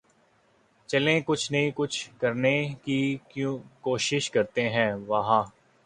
چلیں کچھ نہ کچھ کرنیں کی کیںشش کرتیں ہیں وہاں